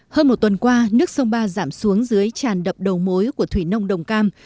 hơn một tuần qua nước sông ba giảm xuống dưới tràn đập đầu mối của thủy nông đồng cam